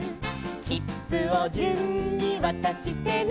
「きっぷを順にわたしてね」